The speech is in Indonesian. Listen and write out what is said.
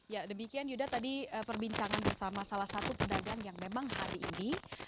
ya demikian yuda tadi perbincangan bersama salah satu pedagang yang memang hari ini